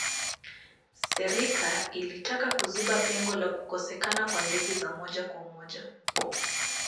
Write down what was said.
serika ilitaka kuziba pengo la kukosekana kwa ndege za moja kwa moja